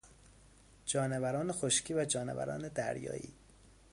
جانوران خشکی و جانوران دریایی